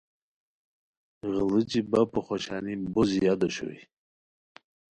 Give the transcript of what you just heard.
غیڑوچی بپو خوشانی بو زیاد اوشوئے